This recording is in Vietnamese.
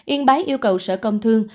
yên bái yêu cầu sở công thương